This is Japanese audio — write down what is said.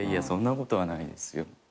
そんなことはないですよ。